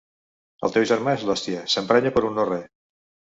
El teu germà és l'hòstia, s'emprenya per un no res.